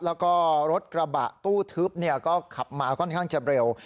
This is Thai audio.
แล้วก็รถกระบะตู้ทึบก็ขับมาค่อนข้างจะเร็ว